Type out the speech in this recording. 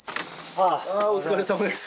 ああお疲れさまです。